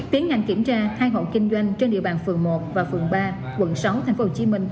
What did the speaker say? tiến hành kiểm tra hai hộ kinh doanh trên địa bàn phường một và phường ba quận sáu tp hcm